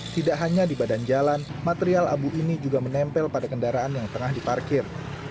tidak hanya di badan jalan material abu ini juga menempel pada kendaraan yang tengah diparkir